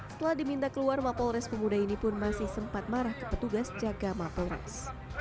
setelah diminta keluar mapol res pemuda ini pun masih sempat marah ke petugas jaga mapol res